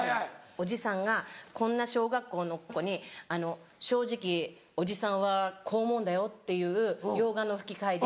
おじさんがこんな小学校の子に「正直おじさんはこう思うんだよ」っていう洋画の吹き替えで。